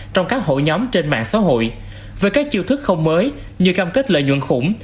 trong các hội nhóm trên mạng xã hội với các chiêu thức không mới như cam kết lợi nhuận khủng